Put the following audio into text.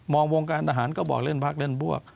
วงการทหารก็บอกเล่นพักเล่นบวก